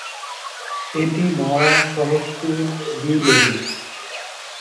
এটি মহাসড়কটি দুই লেনের।